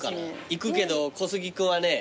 行くけど小杉君はね